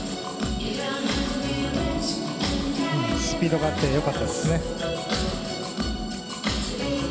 スピードがあってよかったです。